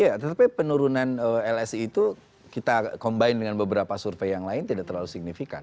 iya tetapi penurunan lsi itu kita combine dengan beberapa survei yang lain tidak terlalu signifikan